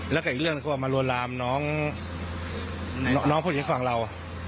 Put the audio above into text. แล้วกับอีกเรื่องคือว่ามารัวรามน้องผู้หญิงฝั่งเรา